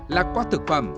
là qua thực phẩm